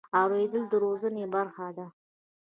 اورېدل د روزنې برخه ده.